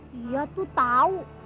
dia tuh tahu